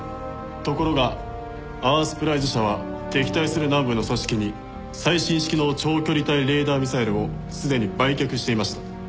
ところがアースプライズ社は敵対する南部の組織に最新式の長距離対レーダーミサイルをすでに売却していました。